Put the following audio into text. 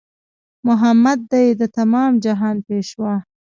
محمد دی د تمام جهان پېشوا